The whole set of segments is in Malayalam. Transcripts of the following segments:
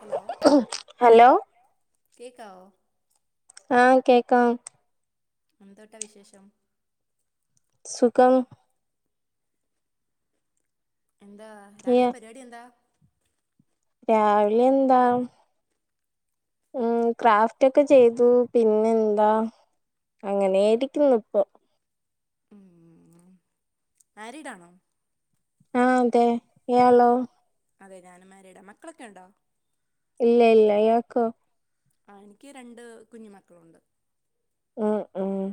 ഹലോ ഹലോ കേക്കാവോ ആഹ കേക്കാം എന്തോട്ടാ വിശേഷം സുഖം.. എന്താ യ രാവിലെ പരിപാടി എന്താ രാവിലെ എന്താ ഉമ് ക്രാഫ്റ്റ് ഒക്കെ ചെയ്തു പിന്നെ എന്താ അങ്ങനെയിരിക്കുന്നു ഇപ്പൊ ഉമ് മാരീഡ് ആണോ ആഹ് അതെ ഇയാളോ അതെ ഞാനും മരെടാ മക്കളൊക്കെ ഒണ്ടോ ഇല്ല ഇല്ല ഇയാക്കോ ആ എനിക്ക് രണ്ട് കുഞ്ഞു മക്കളുണ്ട് ഉം ഉമ്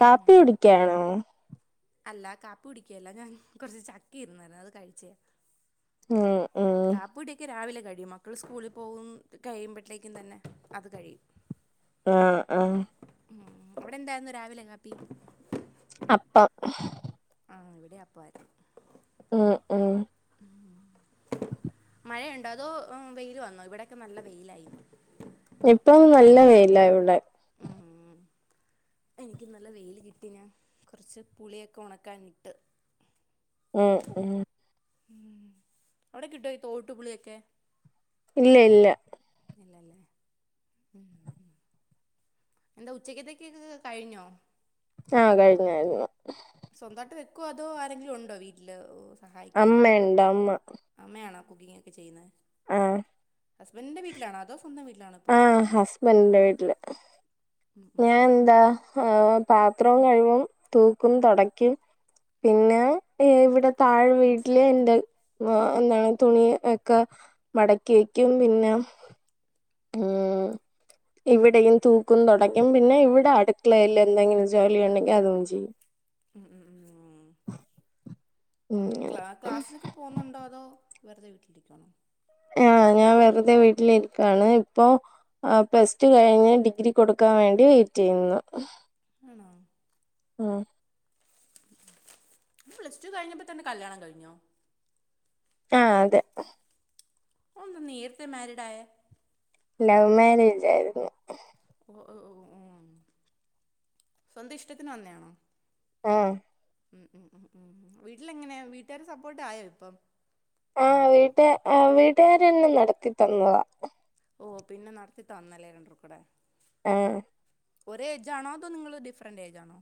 കാപ്പി കുടിക്കണോ അല്ല കാപ്പിക്കുടിക്കല്ല ഞാൻ കൊറച്ച് ചക്ക ഇരുന്നായിരുന്ന് അത് കഴിച്ചയ ഉം ഉം കാപ്പിക്കുടിക്കെ രാവിലെ കഴിയുംമ മക്കള് സ്കൂളിൽ പോകും അത് കഴിയുമ്പോതേക്ക് തന്നെ അത് കഴിയും ആഹ് ആഹ് മ് അവിടെ എന്തായിരുന്നു രാവിലെകാപ്പി അപ്പം ആഹ് ഇവിടെ അപ്പആരിന്ന് ഉം ഉം മയണ്ടോ അതോ വെയില് വന്നോ ഇവടെയൊക്കെ നല്ലാ വെയിലായി ഇപ്പൊ നല്ല വേയിലാ ഇവടെ ഉം. എനിക്ക് നല്ല വെല് കിട്ടിനാ കൊറച്ച് പുളിയൊക്കെ ഉണക്കാനിട്ട് ഉം ഉം ഉം അവടെ കിട്ടേ തോട്ട് പളിയൊക്കെ ഇല്ല ഇല്ല്യാ ഇല്ലാ അല്ലേ ഉം എന്താ ഉച്ചക്കത്തേക്ക്ക്ക് കഴിഞ്ഞോ ആഹ് കയിഞ്ഞ് കയിഞ്ഞ് സ്വന്തായിട്ട് വെക്കുവോ അതോ ആരെങ്കിലും ഒണ്ടോ വീട്ടില് അമ്മയോണ്ട് അമ്മാ അമ്മായണോ കുക്കിങ്ങ് ഒക്കെ ചെയ്യ്ന്നേ ആഹ് ഹസ്ബൻഡിന്റെ വീട്ടിലാണോ അതോ സ്വന്തം വീട്ടിലാണോ ഇപ്പം ആഹ് ഹസ്ബൻഡിന്റെ വീട്ടില് ഉം ഉം ഞാൻ ഉം എന്താ ആ പാത്രം കഴിവും തൂക്കും തൊടക്കും പിന്നെ ഇവടെ താഴെ വീട്ടില് ഇണ്ട് എന്താണ് തുണി യെക്കെ മടക്കി വെക്കും പിന്നെ ഇവടെയും തൂക്കും തൊടക്കും പിന്നെ ഇവടെ അടുക്കളെല്ല് എന്തെങ്കിലും ജോലി ഒണ്ടെങ്കി അതും ചെയ്യും ഉം ഉം ഉം ഉം ക്ലാ ക്ലാസിനൊക്കെ പോകുന്നോണ്ടോ അതോ വെറുത വീട്ടിലിരിക്കവാണോ ആഹ് ഞാൻ വെറുതെ വീട്ടിലിരിക്ക്യാണ് ഇപ്പൊ ആഹ് പ്ലസ് ടു കഴിഞ്ഞ് ഡിഗ്രി കൊടുക്കാൻ വേണ്ടി വെയിറ്റ് ചെയ്യുന്നു ആണോ ഉം പ്ലസ് ടു കയിഞ്ഞപ്പോ തന്നെ കല്യാണം കഴിഞ്ഞോ ആഹ് അതെ ഓ എന്തേ നേരത്തെ മാരിഡ് ആയെ ലൗ മാരേജ് ആര്ന്ന് ഓ ഓ ഉം സ്വന്തം ഇഷ്ടത്തിന് വന്നെ ആണോ ആഹ് ഉം ഉം ഉം ഉം ഉം വീട്ടില് എങ്ങനെയാണ് വീട്ടുകാര് സപ്പോർട്ട് ആയോ ഇപ്പം ആഹ് വീട്ട് വീട്ടുകാര് തന്നെ നടത്തി തന്നതാ ഓ പിന്നെ നടത്തി തന്ന് അല്ലെ [unintelligible] ആഹ് ഒരോ ഏജ് ആണോ അതോ നിങ്ങള് ഡിഫറന്റ് ഏജ്ജ്ആണോ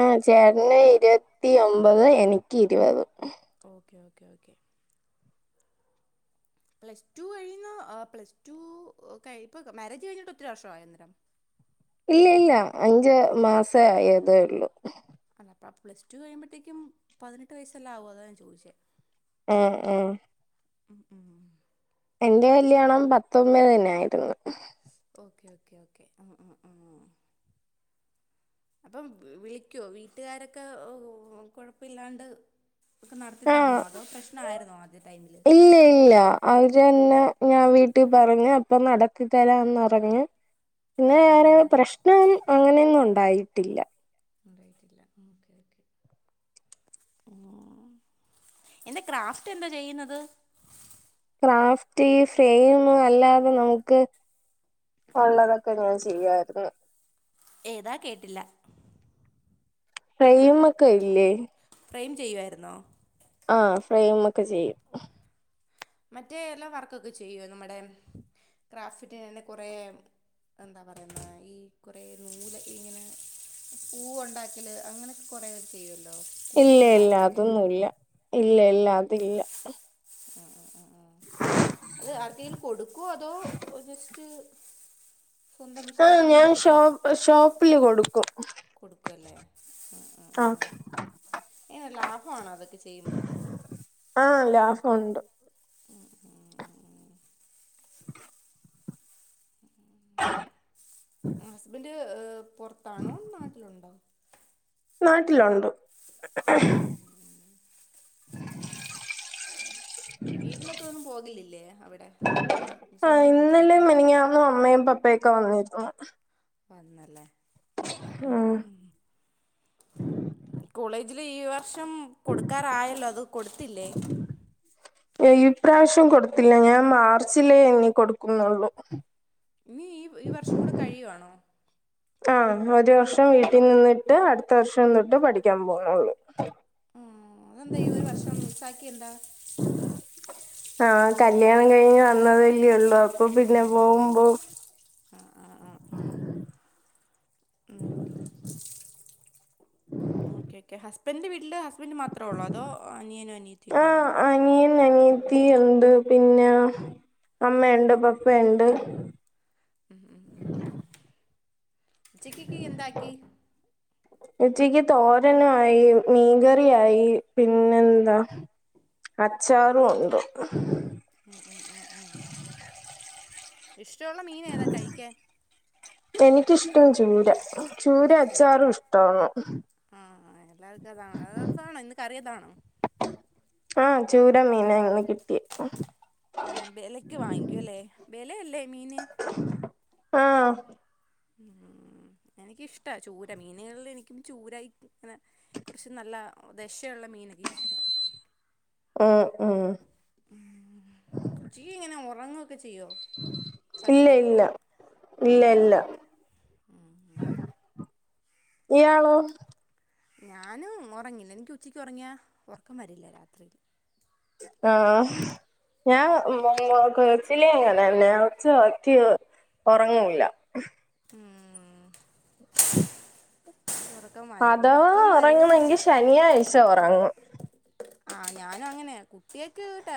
ആഹ് ചേട്ടന് ഇരവോത്തി ഒമ്പത് എനിക്ക് ഇര്പതും okay okay okay plus two കഴിയുന്നാ ആഹ് പ്ലസ് ടു കയി ഇപ്പേ മാരേജ് കയിഞ്ഞിട്ട് ഒത്തിരി വർഷായോ അന്നേരം ഇല്ല ഇല്ല അഞ്ച് മാസം ആയതേ ഒള്ളു അല്ല അപ്പാ പ്ലസ് ടു കയിമ്പോഴേതേക്കും പതിനെട്ട് വയസ്സലെ ആവു അതാ ഞാൻ ചോദിചേ ആഹ് ആഹ് ഉം ഉം ഉം എന്റെ കല്യാണം പത്തൊമ്പതിന്യാര്ന്ന് ഓക്കെ ഓക്കേ ഓക്കേ ആഹ് ആഹ് ആഹ് അപ്പം വിളിക്ക്യാ വീട്ടുകാരൊക്കെ കൊഴപ്പില്ലാണ്ട് ഒക്കെ നടത്തി ആഹ് തന്നോ അതോ പ്രശ്നം അർന്നോ ആദ്യ ടൈമില് അവര് തന്നെ ഞാൻ വീട്ടി പറഞ്ഞ് അപ്പൊ നടത്തി തെരാന്ന് പറഞ്ഞ് പിന്നെ വേറെ ആണല്ലേ പ്രശ്നം അങ്ങനെയൊന്നും ഉണ്ടായിട്ടില്ല ഉണ്ടായിട്ടില്ല ഉം ഓക്കെ ഓക്കെ ഉം എന്താ ക്രാഫ്റ്റ് എന്താ ചെയ്യ്ന്നത് ക്രാഫ്റ്റ് ഫ്രെയിം അല്ലാതെ നമുക്ക് ഉള്ളതൊക്കെ ഞാൻ ചെയ്യാരുന്നു ഏതാ കേട്ടില്ല ഫ്രെയിം ഒക്കെ ഇല്ലേ ഫ്രെയിം ചെയ്യുവായിരുന്നോ ആഹ് ഫ്രയിം ഒക്കെ ചെയ്യും മറ്റേ എല്ലാം വർക്കൊക്കെ ചെയ്യോ നമ്മുടെ ക്രാഫ്റ്റന് കുറേ ആഹ് എന്താ പറയുന്നേ ഈ കുറെേ നൂല് ഇങ്ങനെ പൂവ് ഉണ്ടാക്കല് അങ്ങനെയൊക്കെ കൊറേ ചെയ്യോ ലോ ഇല്ല കുപ്പി ഇല്ല ആർട്ടോകെ അതൊന്നുല്ല ഇല്ല ഇല്ല അതെലെ ഉം അതില്ല ഉം ഉം ഉ അത് ആർക്കേലും കൊടുക്കുവോ അതോ ജസ്റ്റ് സ്വന്തം ആഹ് ഇഷ്ടത്തിന് ഞാൻ വേണ്ടിയിട്ട് ഷോപ്പ് ഷോപ്പില് കൊടുക്കും കൊടുക്കു അല്ലേ ഓക്കെ എങ്ങനെ ലാഭമാണോ അതൊക്കെ ചെയ്യുമ്പം ആഹ് ലാഭം മുണ്ട് ഉം ഉം ഉം [inaudible] ഹസ്ബെൻ്റെ പോറത്താണോ നാട്ടിലൊണ്ടോ നാട്ടിലോണ്ട് ഉം ഉം ഉം [inaudible] വീട്ടിലൊക്കെ ഒന്നും പോകലില്ലേ അവിടെ ആഹ് സ്വന്തം ഇന്നലെ വീട്ടിലേക്ക് മേനഞ്ഞാന്നും അമ്മയും പപ്പയയും ഒക്കെ വന്നിരുന്നു വന്നല്ലേ ഉം ഉം ഉം ഉം കോളേജില് ഈ വർഷം കൊടുക്കാറായല്ലോ അത് കൊടുത്തില്ലേ ഈ പ്രാവിശ്യം കൊടുത്തില്ല ഞാൻ മാർച്ചിലേ ഇനി കൊടുക്കുന്നുള്ളു നീ ഈ ഈ വർഷം കൂടെ കഴിയുവാണോ ആഹ് ഒരു വർഷം വീട്ടി നിന്ന്ട്ട് അടുത്ത വർഷം തൊട്ട് പഠിക്കാ പോണാള്ളൂ ആഹ് അതെന്താ ഈ ഒരു വർഷം മിസ്സാക്കി എന്താ ആഹ് കല്യാണം കഴിഞ്ഞ് വന്നതല്ലേ ഒള്ളൂ അ അപ്പൊ ഓ പിന്നെ അതുകൊണ്ട് പോവുമ്പോ ആ ആ ആ ആഹ് ഉം ഓക്കെ ഓക്കെ ഹസ്ബന്റെ വീട്ട്ല് ഹസ്ബന്റ് മാത്രേ ഒള്ളോ അതോ അനിയനോ അനിയത്തി ഒക്കേണ്ടോ അനിയനും അനിയത്തിയും ഉണ്ട് പിന്നെ അമ്മയ്ണ്ട് പപ്പയ്ണ്ട് മ് മ് മ് ഉച്ചക്കിക്കി എന്താക്കി ഉച്ചക്കി തോരനു ആയി മീകറിയായി പിന്നെന്താ അച്ചാറു ഉണ്ട് ഉം ഉം ഉം ഉം ഇഷ്ടവുള്ള മീൻ ഏതാ കഴിക്കാൻ എനിക്കിഷ്ടം ചൂര ചൂര ചോറ് അച്ചാറും ഇഷ്ടാണ് ആഹ് എല്ലാവർക്കും അതാണ് അതാ ടാണോ ഇന്ന് കറിതാണോ ആഹ് ചൂര മീന ഇന്ന് കിട്ടി മ് ബെലക്ക് വാങ്ങിക്കൂല്ലേ ബെലയല്ലേ മീന് ആഹ് ഉം എനിക്കിഷ്ടാ ചൂര മീൻകളിൽ എനിക്കും ചൂരായി അങ്ങനെ കൊറച്ച് നല്ല ദശള്ള മീനൊക്കെ ഇഷ്ടാ അഹ് അഹ് ഉച്ചിയിങ്ങനെ ഒറങ്ങൊക്കെ ചെയ്യോ ഇല്ല പകല് ഇല്ല ഇല്ല ഇല്ല ഇയാളൊ ഞാൻ ഒറങ്ങില്ല എനിക്ക് ഉച്ചയ്ക്ക് ഒറിങ്ങാ ഒറക്കം വരില്ല രാത്രിൽ ആഹ് ഞാ കൊച്ചിലെ അങ്ങനെന്നയ [unintelligible] ഒറങ്ങൂല്ല മ്മ് [inaudible] അതവാ ഉറക്കം വരുവോന്ന് ഒറങ്ങണങ്കി വെച്ചാ ശനിയാഴ്ച ഒറങ്ങും ആ ഞാനും അങ്ങനെ കുട്ടിയക്ക് ട്ടാ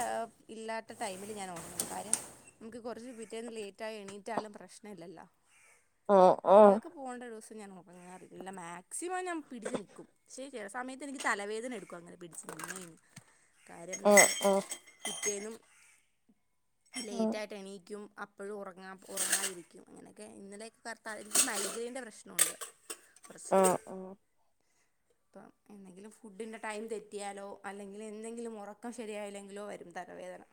ഇല്ലാത്ത ടൈമില് ഞാൻ ഒറങ്ങും കാര്യം നമുക്ക് കൊറച്ച് പിറ്റേന്ന് ലയ്റ്റ്ആയി എണീറ്റാലും പ്രശ്നല്ലല്ലോ ഉം ഉം കുട്ടികൾക്ക് പോണ്ട ദിവസം ഞാൻ ഒറങ്ങാറില്ല മാക്സിമം ഞാൻ പിടിച്ച് നിക്കും ക്ഷേ ചെലസയത്ത്എനിക്ക് തലവേദന എടുക്കും അങ്ങനെ പിടിച്ച് കാര്യം ന ഉം പിറ്റേനും ഉം ലേറ്റ് ആയിട്ട് എണീക്കും അപ്പ് അപ്പഴും ഒറങ്ങാം ഒറങ്ങാതിരിക്കും അങ്ങനൊക്കെ ഇന്നലെക്കെ [unintelligible] എനിക്ക് മയ്ഗ്രേയ്ൻ്റെ പ്രശ്നൊണ്ട് കൊറച്ച് ഉം ഉം ഉം അപ്പം എന്നെങ്കിലും ഫുഡിൻ്റെ ടൈം തെറ്റിയാലോ അല്ലെങ്കിൽ എന്നെങ്കിലും ഒറക്കം ശരിയായില്ലെങ്കിലോ വരും തലവേദന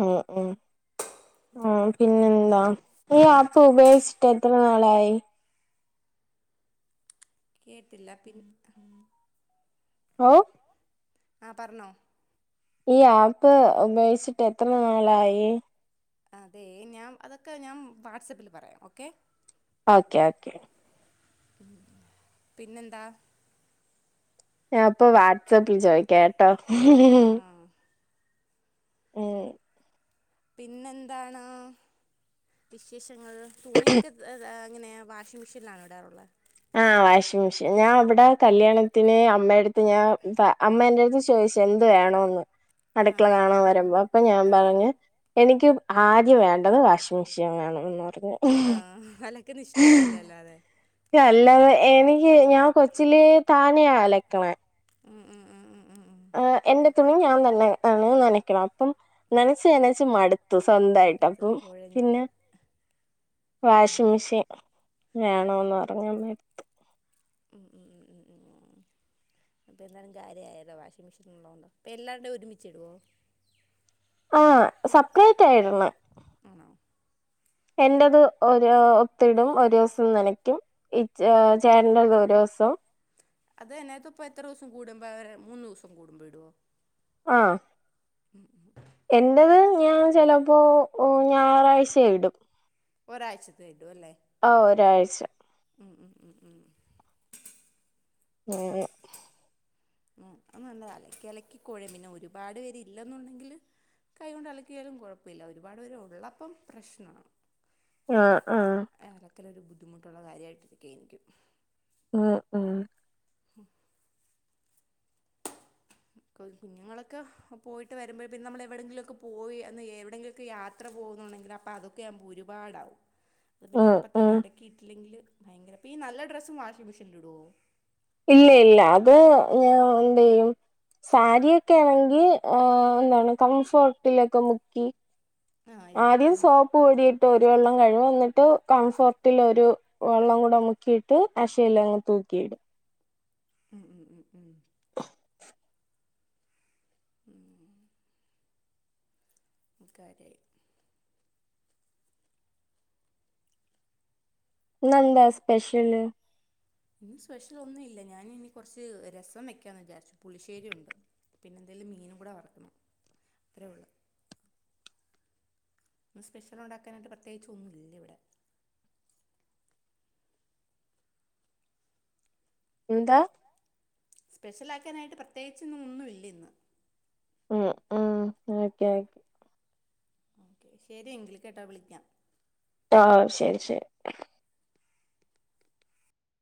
മ് മ് ആ പിന്നെന്താ ഈ ആപ്പ് ഉപയോച്ചിട്ട് എത്ര നാളായി കേട്ടില്ല പിൻ ഓ ആഹ് പർണോ ഈ ആപ്പ് ഉപയോച്ചിട്ട് എത്ര നാളായി അതെയ് ഞാൻ അതൊക്കെ ഞാൻ വാട്സപ്പിൽ പറയാം ഓക്കെ ഓക്കെ ഓക്കെ പിന്നെന്താ ഞാ അപ്പൊ വാട്സപ്പിൽ ചോയിക്കാട്ടോ ആ മ് പിന്നെന്താണ് വിശേഷങ്ങൾ തുണിയൊക്കെ അങ്ങനെ വാഷിംഗ് മിഷേൽ ആണോ ടാറുള്ള ആഹ് വാഷിംഗ് മിഷെൻ ഞാൻ അവടെ കല്യാണത്തിന് അമ്മയടുത്ത് ഞാൻ അമ്മ എന്റെടുത്ത് ചോയ്ച്ച് എന്ത് വേണന്ന് ആ അടുക്കള ആ കാണാൻ ആ വരുമ്പോ അപ്പൊ ഞാൻ ആ പറഞ്ഞ് എനിക്ക് ആദ്യം വേണ്ടത് വാഷിംഗ് മെഷീൻ വേണ എന്ന് പറഞ്ഞ് ആഹ് അലക്ക്‌ന് ഇഷ്ടല്ലല്ലെ ല്ലാതെ അല്ലാതെ എനിക്ക് ഞാൻ കൊച്ചിലേ താനയ അലക്ക്‌ണ് ഉം ഉം ഉം ഉം ഉം ഉം എന്റെ തുണി ഞാൻ തന്നെ നനക്കണം അപ്പം നനച്ച് നനച്ച് മട് മടുത്ത് സ്വന്തായിട്ടപ്പം കുഴഞ്ഞ് പിന്നെ വാഷിങ് മിഷെൻ വേണോന്ന് പറഞ്ഞു അമ്മേട്ത്ത് ഉം ഉം ഉം ഉം അപ്പോ ന്തായാലുംകാര്യാഅയലൊ വാഷിങ് മെഷീൻ ഉള്ളോണ്ട്‌ പ്പല്ലാര്ടിം ഒരുമിച്ചിടോ ആഹ് സെപ്പറേറ്റയിട്ൻ ആണോ എന്റെത് ഒരു ഒത്തിടും ഒരൂസം നനക്കും ഇ ചേട്ടന്റെ ടൊ ഒരൂസം അദനഞാത്ത് ഇപ്പൊ എത്രുസം കൂടുമ്പോ മൂന്നൂസം കൂടുമ്പോ ഇടൊ ആഹ് ഉം ഉം [unintelligible] എന്റെത് ഞാൻ ചെലപ്പോ ഞായറാഴ്ചയിടും ഒരാഴ്ചത്തെ ഇടുവലെ ആഹ് ഒരാഴ്ച ഉം ഉം ഉം ഉം ഉംമ് ഉം അത് നല്ലതാ അലക്കി അലക്കി കൊഴയും പിന്നെ ഒരുപാട് പേര് ഇല്ലെന്നുണ്ടെങ്കില് കൈ കൊണ്ട് അലക്കിയാലും കുഴപ്പമില്ല ഒരുപാട് പേര് ഉള്ളപ്പം പ്രശ്നമാണ് ആഹ് ആഹ് അലക്കലൊരു ബുദ്ധിമുട്ടുള്ള കാര്യമായിട്ടിരിക്കയായിരിക്കും ആഹ് ആഹ് കുഞ്ഞുങ്ങളൊക്കെ പോയിട്ട് വരുമ്പോൾ പിന്നെ നമ്മൾ എവിടെയെങ്കിലുമൊക്കെ പോയിന്ന് എവിടെയെങ്കിലുമൊക്കെ യാത്ര യാത്ര പോകുന്നുണ്ടെങ്കിൽ അപ്പോ അതൊക്കെ ആകുമ്പോൾ ഒരുപാടാവും അത് പിന്നെ ഉം അപ്പ തന്നെ ഉം അലക്കിയിട്ടില്ലെങ്കിൽ ഭയങ്കര അപ്പ ഈ നല്ല ഡ്രസ്സും വാഷിംഗ് മെഷനില് ഇടുവോ ഇല്ല ഇല്ല അത് ഞാന് എന്ത് ചെയ്യും സാരി ഒക്കെ ആണെങ്കിൽ എന്താണ് കംഫോർട്ടിലൊക്കെ മുക്കി ആ ഇടും ആദ്യം ഉം സോപ്പ് പൊടിയിട്ട് ഒരു വെള്ളം കഴുവും എന്നിട്ട് കംഫർട്ടിൽ ഒരു വെള്ളം കൂടെ മുക്കിയിട്ട് അശേൽ അങ്ങ് തൂക്കിയിടും ഉം ഉം ഉം ഉം [inaudible] ഉം അത് കാര്യമായി ഇന്ന് എന്താ സ്പെഷ്യല് ഇന്ന് സ്പെഷ്യൽ ഒന്നും ഇല്ല ഞാൻ ഇനി കുറച്ച് രസം വെക്കാന്ന് വിചാരിച്ചു പുളിശ്ശേരി ഉണ്ട് പിന്നെ എന്തേങ്കലും മീൻ കൂടെ വറുക്കണം അത്രേ ഉള്ളൂ ഇന്ന് സ്പെഷ്യല് ഉണ്ടാക്കാനായിട്ട് പ്രത്യേകിച്ച് ഒന്നും ഇല്ല ഇവിടെ എന്താ സ്പെഷ്യൽ ആക്കാനായിട്ട് പ്രത്യേകിച്ച് ഇന്നൊന്നും ഇല്ല ഇന്ന് ഉം ഉം ഓക്കെ ഓക്കെ ഓക്കെ ശരിയങ്കിൽ കേട്ടാ വിളിക്കാം ആഹ് ആഹ് ശരി ശരി